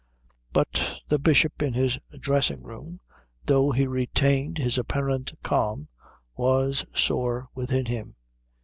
But the Bishop in his dressing room, though he retained his apparent calm, was sore within him.